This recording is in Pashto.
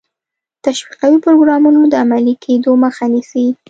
تشویقي پروګرامونو د عملي کېدو مخه نیسي.